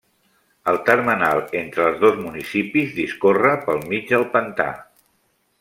El termenal entre els dos municipis discorre pel mig del pantà.